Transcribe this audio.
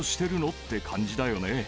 って感じだよね。